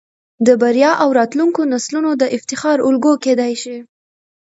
د بريا او راتلونکو نسلونه د افتخار الګو کېدى شي.